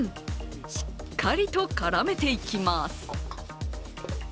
しっかりと絡めていきます。